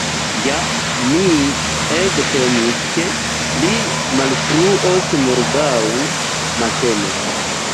Ja, mi ege timis, ke li malfruos morgaŭ matene.